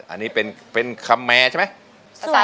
อันนี้เป็นคำแมร์ใช่ไหม